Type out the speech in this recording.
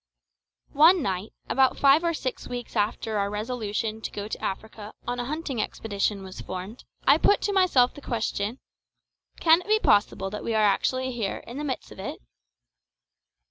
One night, about five or six weeks after our resolution to go to Africa on a hunting expedition was formed, I put to myself the question, "Can it be possible that we are actually here, in the midst of it?"